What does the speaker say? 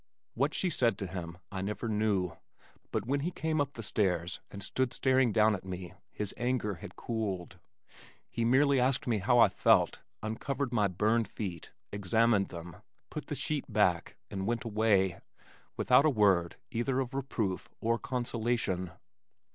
What she said to him I never knew, but when he came up the stairs and stood looking down at me his anger had cooled. He merely asked me how I felt, uncovered my burned feet, examined them, put the sheet back, and went away, without a word either of reproof or consolation.